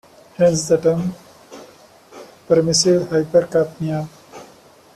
Hence the term, permissive hypercapnia.